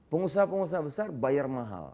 pengusaha pengusaha besar bayar mahal